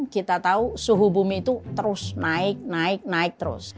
kita tahu suhu bumi itu terus naik naik naik terus